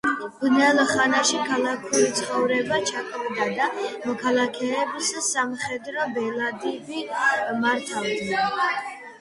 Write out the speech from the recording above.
ბნელ ხანაში ქალაქური ცხოვრება ჩაკვდა და მოქალაქეებს სამხედრო ბელადები მართავდნენ.